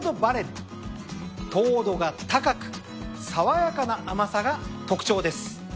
糖度が高く爽やかな甘さが特徴です。